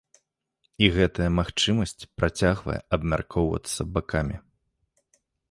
І гэтая магчымасць працягвае абмяркоўвацца бакамі.